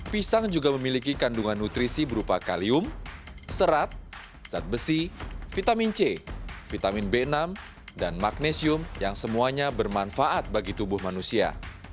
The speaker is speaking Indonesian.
pisang juga memiliki kandungan nutrisi berupa kalium serat zat besi vitamin c vitamin b enam dan magnesium yang semuanya bermanfaat bagi tubuh manusia